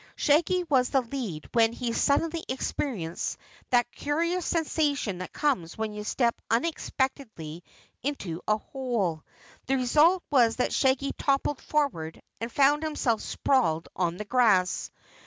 Shaggy was in the lead when he suddenly experienced that curious sensation that comes when you step unexpectedly into a hole. The result was that Shaggy toppled forward and found himself sprawled on the grass.